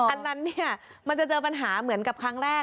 อันนั้นเนี่ยมันจะเจอปัญหาเหมือนกับครั้งแรก